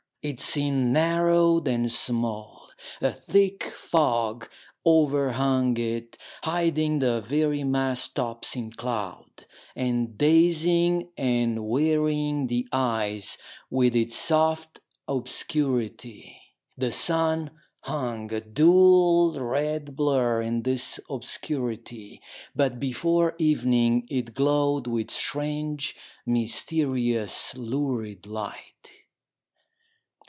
It seemed narrowed and small ; a thick fog overhung it, hiding the very mast tops in 317 POEMS IN PROSE cloud, and dazing and wearying the eyes with its soft obscurity. The sun hung, a dull red blur in this obscurity ; but before evening it glowed with strange, mysterious, lurid light.